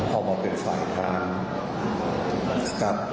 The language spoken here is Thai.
เอามันเป็นฝ่ายการ